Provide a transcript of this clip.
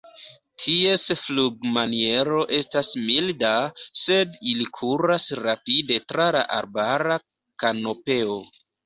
Ties flugmaniero estas milda, sed ili kuras rapide tra la arbara kanopeo.